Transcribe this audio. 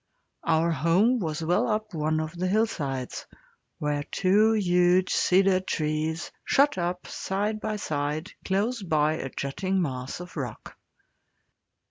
Our home was well up one of the hillsides, where two huge cedar trees shot up side by side close by a jutting mass of rock.